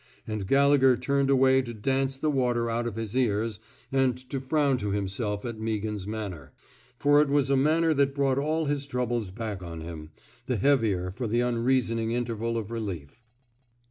And Gallegher turned away to dance the water out of his ears and to frown to himself at Meaghan 's manner; for it was a manner that brought all his troubles back on him, the heavier for the unreasoning in terval of relief.